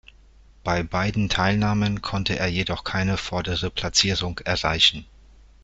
Bei beiden Teilnahmen konnte er jedoch keine vordere Platzierung erreichen.